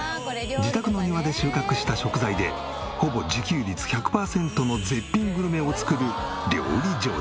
自宅の庭で収穫した食材でほぼ自給率１００パーセントの絶品グルメを作る料理上手。